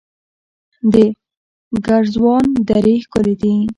د ګرزوان درې ښکلې دي